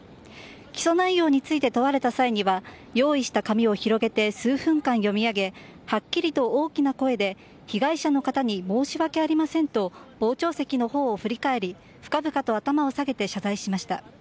起訴内容について問われた際には用意した紙を広げて数分間読み上げはっきりと大きな声で被害者の方に申し訳ありませんと傍聴席のほうを振り返り深々と頭を下げて謝罪しました。